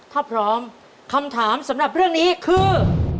ถ้าพร้อมคำถามสำหรับเรื่องนี้คือ